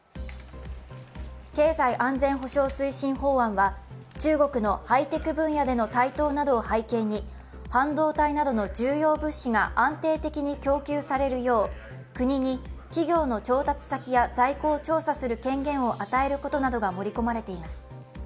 経済安全保障推進法案は中国のハイテク分野での台頭などを背景に半導体などの重要物資が安定的に供給されるよう国に企業の調達先や在庫を調査する権限などを与えることなどが盛り込まれています。